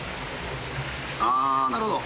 ああ、なるほど。